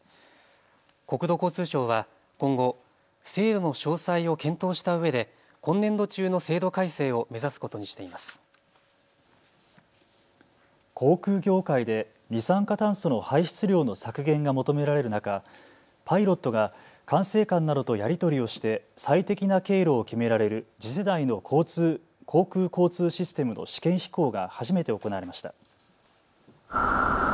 国土交通省は今後、制度の詳細を検討したうえで今年度中の制度改正を目指すことにしています。航空業界で二酸化炭素の排出量の削減が求められる中、パイロットが管制官などとやり取りをして最適な経路を決められる次世代の航空交通システムの試験飛行が初めて行われました。